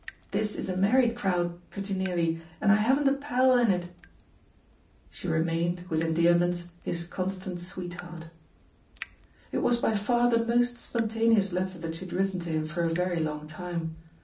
This is a married crow4i 148 THE POSITION OF PEGGY HARPER pretty nearly, and I haven't made a pal in it. She remained, with endearments, his Constant Sweetheart. It was by far the most spontaneous letter that she had written to him for a very long time.